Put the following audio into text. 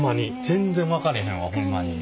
全然分かれへんわホンマに。